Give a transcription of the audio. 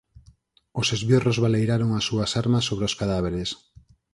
Os esbirros baleiraron as súas armas sobre os cadáveres.